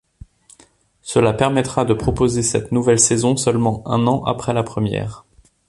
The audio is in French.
Cela permettra de proposer cette nouvelle saison seulement un an après la première.